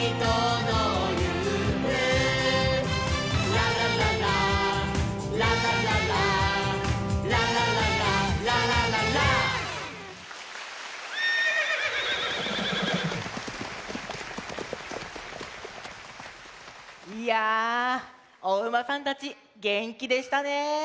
「ララララーララララー」「ララララララララ」いやおうまさんたちげんきでしたね。